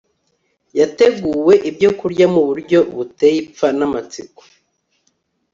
yateguwe ibyokurya mu buryo buteye ipfa namatsiko …